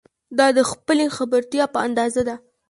دا د خپلې خبرتیا په اندازه ده.